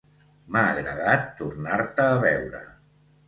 M'ha agradat tornar-te a veure